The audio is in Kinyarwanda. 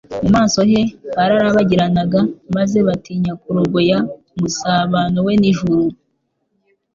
Mu maso he hararabagiranaga, maze batinya kurogoya umusabano We n’ijuru